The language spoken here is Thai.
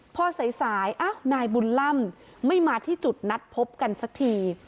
พอสายนายบุญล่ำไม่มาที่จุดนัดพบกันสักที